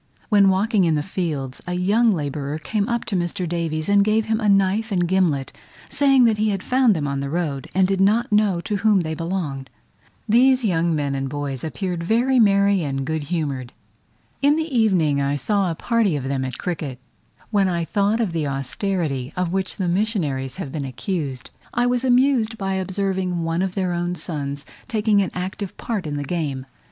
When walking in the fields, a young labourer came up to Mr. Davies, and gave him a knife and gimlet, saying that he had found them on the road, and did not know to whom they belonged! These young men and boys appeared very merry and good humoured. In the evening I saw a party of them at cricket: when I thought of the austerity of which the missionaries have been accused, I was amused by observing one of their own sons taking an active part in the game.